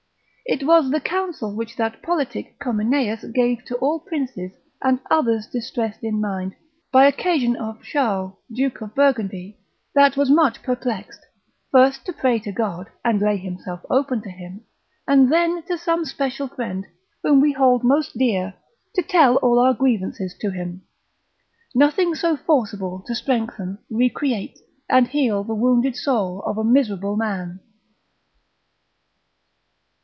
It was the counsel which that politic Comineus gave to all princes, and others distressed in mind, by occasion of Charles Duke of Burgundy, that was much perplexed, first to pray to God, and lay himself open to him, and then to some special friend, whom we hold most dear, to tell all our grievances to him; nothing so forcible to strengthen, recreate, and heal the wounded soul of a miserable man.